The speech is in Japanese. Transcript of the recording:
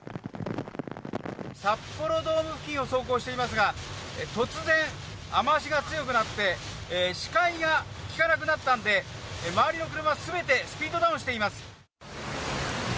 札幌ドーム付近を走行していますが、突然、雨足が強くなって、視界が利かなくなったんで、周りの車すべてスピードダウンしています。